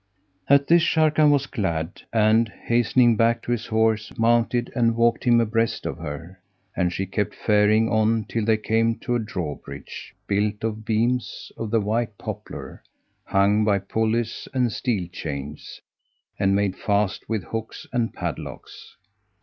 At this Sharrkan was glad and, hastening back to his horse, mounted and walked him abreast of her, and she kept faring on till they came to a drawbridge[FN#180] built of beams of the white poplar, hung by pullies and steel chains and made fast with hooks and padlocks.